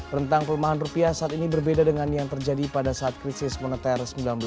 rentang pelemahan rupiah saat ini berbeda dengan yang terjadi pada saat krisis moneter seribu sembilan ratus sembilan puluh